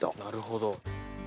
なるほど。